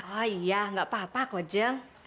oh iya nggak apa apa kojeng